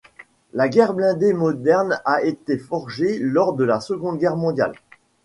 La guerre blindée moderne a été forgée lors de la Seconde Guerre mondiale.